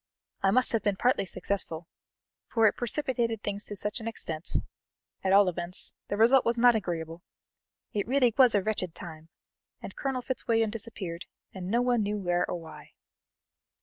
I must have been partly successful, for it precipitated things to such an extent at all events, the result was not agreeable. It really was a wretched time! and Colonel Fitzwilliam disappeared and no one knew where or why."